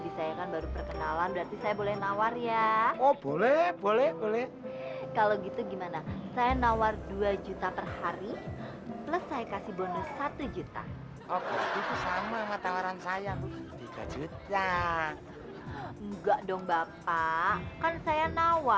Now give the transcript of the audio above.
banyak yang sudah polisi perkenalan niek sekarang hike saya banget kan